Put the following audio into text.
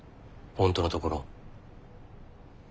本当のところ。